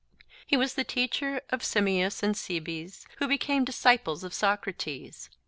He was the teacher of Simmias and Cebes, who became disciples of Socrates.